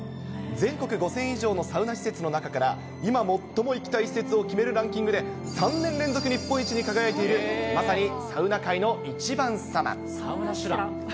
全国５０００以上のサウナ施設の中から、今最も行きたい施設を決めるランキングで、３年連続日本一に輝いている、まさにサウナ界の１番さま。